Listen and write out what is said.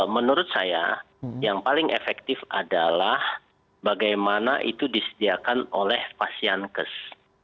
menurut saya yang paling efektif adalah bagaimana itu disediakan oleh pasien kes